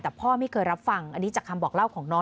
แต่พ่อไม่เคยรับฟังอันนี้จากคำบอกเล่าของน้อง